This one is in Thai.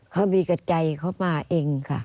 เขามีกับใจเขามาเองค่ะ